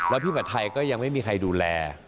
แล้วพี่ผัดไทยก็ยังไม่มีใครดูแล